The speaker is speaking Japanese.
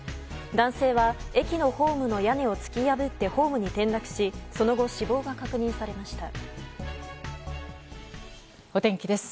男性は駅のホームの屋根を突き破ってホームに転落しその後、死亡が確認されました。